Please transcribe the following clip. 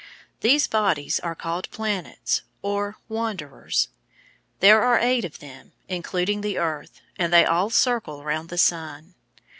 These bodies are called planets, or wanderers. There are eight of them, including the Earth, and they all circle round the sun.